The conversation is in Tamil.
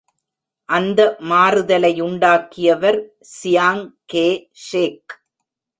அந்த மாறுதலையுண்டாக்கியவர் சியாங் கே ஷேக்.